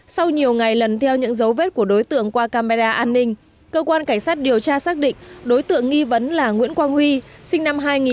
sau nhiều ngày lần theo những dấu vết của đối tượng qua camera an ninh cơ quan cảnh sát điều tra xác định đối tượng nghi vấn là nguyễn quang huy sinh năm hai nghìn